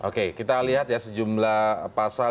oke kita lihat ya sejumlah pasal